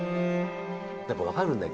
やっぱ分かるんだよ。